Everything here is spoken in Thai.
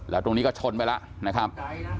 แล้วตรงนี้ก็ชนไปแล้วนะครับ